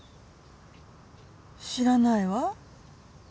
知らないわ。